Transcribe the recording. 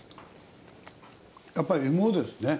やっぱり芋ですね。